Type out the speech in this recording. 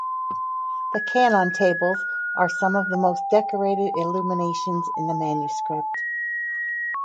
The canon tables are some of the most decorated illuminations in the manuscript.